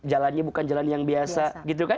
jalannya bukan jalan yang biasa gitu kan